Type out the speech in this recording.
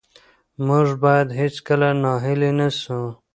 موږ باید هېڅکله ناهیلي نه سو.